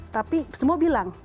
tapi semua bilang